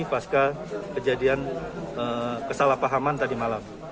pasca kejadian kesalahpahaman tadi malam